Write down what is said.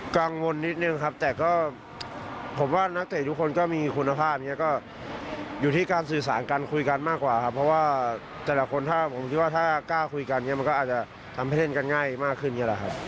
กังวลนิดนึงครับแต่ก็ผมว่านักเตะทุกคนก็มีคุณภาพอยู่ที่การสื่อสร้างกันคุยกันมากกว่าครับเพราะว่าแต่ละคนถ้าคุยกันมันอาจจะทำให้เล่นกันง่ายมากขึ้น